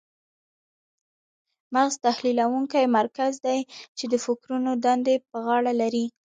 مغز تحلیلونکی مرکز دی چې د فکرونو دندې په غاړه لري.